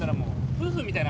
夫婦船みたいな。